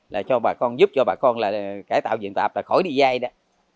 là cho bà con giúp cho bà con là cải tạo vườn tạp là khỏi đi dai đó